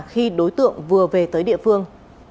khi đối tượng vừa về tới địa phương